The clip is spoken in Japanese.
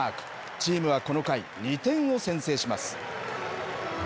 チームはこの回、２点を先制します。